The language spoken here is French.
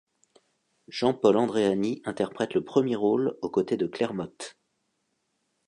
Jean-Paul Andréani interprète le premier rôle aux côtés de Claire Motte.